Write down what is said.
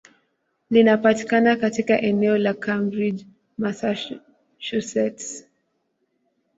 Linapatikana katika eneo la Cambridge, Massachusetts.